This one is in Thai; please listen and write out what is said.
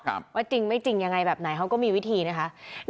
ว่าจริงไม่จริงยังไงแบบไหนเขาก็มีวิธีนะคะ